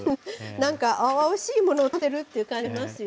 何か青々しいものを食べてるっていう感じがしますよね。